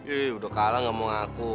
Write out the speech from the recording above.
eh udah kalah gak mau ngaku